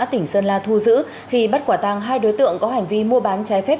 tỉnh sơn la thu giữ khi bắt quả tăng hai đối tượng có hành vi mua bán trái phép